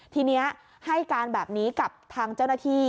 ทีนี้ให้การแบบนี้กับทางเจ้าหน้าที่